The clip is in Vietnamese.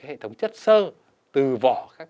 hệ thống chất sơ từ vỏ